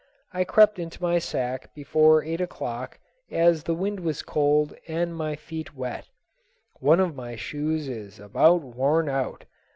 I crept into my sack before eight o'clock as the wind was cold and my feet wet. One of my shoes is about worn out.